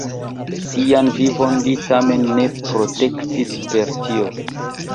Sian vivon li tamen ne protektis per tio.